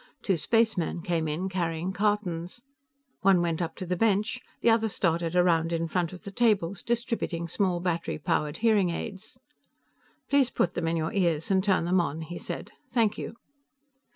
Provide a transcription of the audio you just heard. Two spacemen came in, carrying cartons. One went up to the bench; the other started around in front of the tables, distributing small battery powered hearing aids. "Please put them in your ears and turn them on," he said. "Thank you."